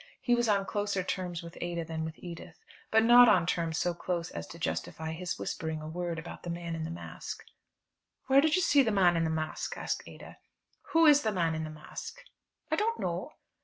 He was on closer terms with Ada than with Edith, but not on terms so close as to justify his whispering a word about the man in the mask. "Where did you see the man in the mask?" asked Ada. "Who is the man in the mask?" "I don't know."